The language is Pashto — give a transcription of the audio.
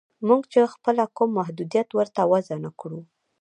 موږ چې خپله کوم محدودیت ورته وضع نه کړو